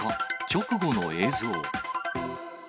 直後の映像。